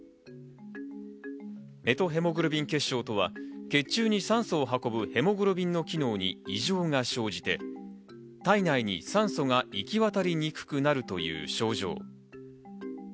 メトヘモグロビン血症とは血中に酸素を運ぶヘモグロビンの機能に異常が生じて、体内に酸素が行き渡りにくくなるという症状。